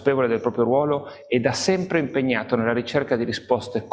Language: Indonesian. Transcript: pembuatan lemur pada keutamaan adalah aksi pembatasan pangan